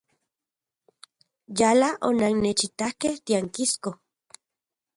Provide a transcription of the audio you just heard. Yala onannechitakej tiankisko.